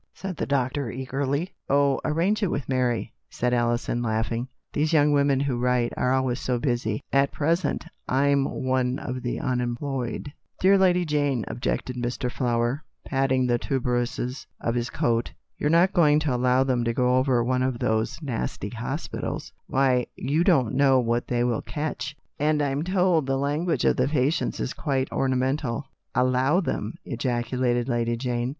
said the doctor eagerly. "Oh, arrange it with Mary," said Alison laughing. " These young women who write are always so busy. At present I'm one of the unemployed." 202 THE STORY OF A MODERN WOMAN. "Dear Lady Jane," objected Mr, Flower, " you're not going to allow them to go over one of those nasty hospitals. Why, you don't know what they will catch, and I'm told the language of the patients is quite ornamental," he added with a titter. "Allow them!" ejaculated Lady Jane.